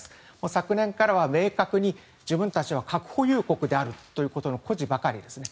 昨年からは明確に自分たちは核保有国であるということの誇示ばかりですね。